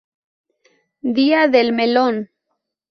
Día del melón.